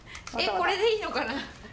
えっこれでいいのかな？